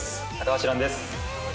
橋藍です。